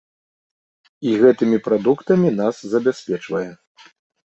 І гэтымі прадуктамі нас забяспечвае.